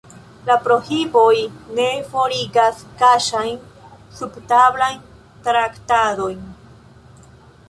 La prohiboj ne forigas kaŝajn, subtablajn traktadojn.